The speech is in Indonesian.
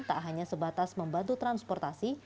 tak hanya sebatas membantu transportasi